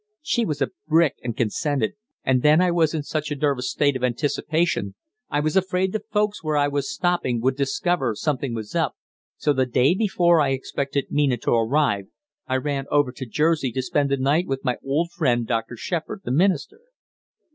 She was a brick and consented, and then I was in such a nervous state of anticipation I was afraid the folks where I was stopping would discover something was up, so the day before I expected Mina to arrive I ran over to Jersey to spend the night with my old friend Dr. Shepard, the minister.